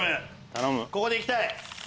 ここでいきたい！